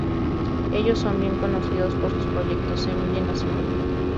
Ellos son bien conocidos por sus proyectos semilla en la ciudad.